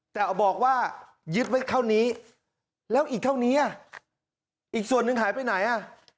แต่บอกว่ายึดไว้เท่านี้แล้วอีกเท่านี้อ่ะอีกส่วนหนึ่งหายไปไหนอ่ะ